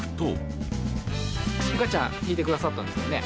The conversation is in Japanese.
ガチャ引いてくださったんですよね？